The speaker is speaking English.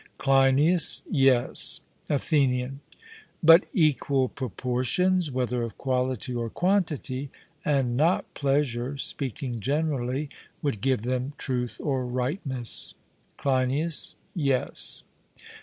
CLEINIAS: Yes. ATHENIAN: But equal proportions, whether of quality or quantity, and not pleasure, speaking generally, would give them truth or rightness. CLEINIAS: Yes.